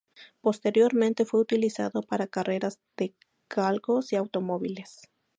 Posteriormente fue utilizado para carreras de galgos y automóviles.